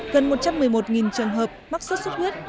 gần một trăm một mươi một trường hợp mắc sốt xuất huyết